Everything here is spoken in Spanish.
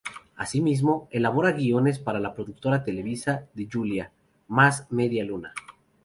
Asimismo, elabora guiones para la productora televisiva de Julia, "Mass Media Luna".